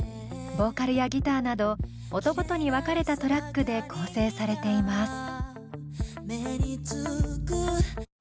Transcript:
ボーカルやギターなど音ごとに分かれたトラックで構成されています。